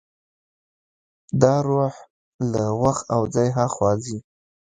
دا روح له وخت او ځای هاخوا ځي.